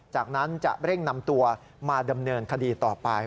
จากนั้นจะเร่งนำตัวมาดำเนินคดีต่อไป